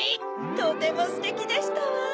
とてもステキでしたわ。